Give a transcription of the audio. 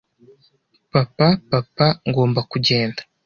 "Papa, Papa, ngomba kugenda.